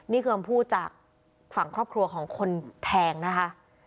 นี่คือคำพูดจากฝั่งครอบครัวของคนแทงนะคะ